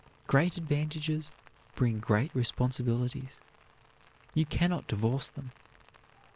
Great advantages bring great responsibilities. You can not divorce them.